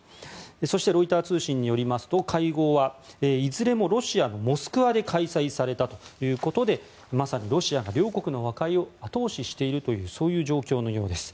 そしてロイター通信によりますと会合は、いずれもロシアのモスクワで開催されたということでまさにロシアが両国の和解を後押ししているそういう状況のようです。